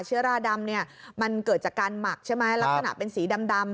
เชื้อราดำเนี่ยมันเกิดจากการหมักใช่ไหมลักษณะเป็นสีดำ